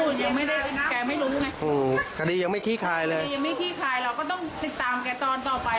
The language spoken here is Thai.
คดียังไม่ที่คายเลยยังไม่ที่คายเราก็ต้องติดตามแกตอนต่อไป